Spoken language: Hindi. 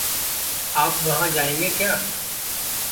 आप वहाँ जाएँगे क्या?